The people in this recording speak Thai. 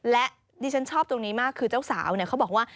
และดิฉันชอบตรงนี้มากคือเจ้าสาวเนี่ยเขาบอกว่า